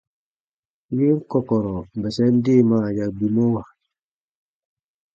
Yen kɔ̀kɔ̀rɔ̀ bɛsɛn deemaa ya gbimɔwa.